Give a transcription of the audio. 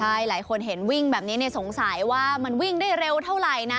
ใช่หลายคนเห็นวิ่งแบบนี้สงสัยว่ามันวิ่งได้เร็วเท่าไหร่นะ